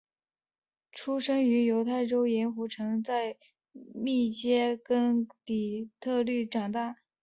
出生于犹他州盐湖城在密歇根州底特律长大。